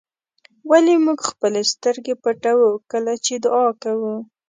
ولې موږ خپلې سترګې پټوو کله چې دعا کوو.